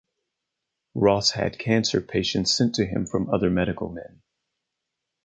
Ross had cancer patients sent to him from other medical men.